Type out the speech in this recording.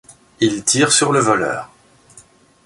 Il tire sur le voleur.